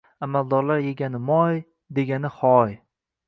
Аmaldorlar yegani moy, degani: «Hoy!!!»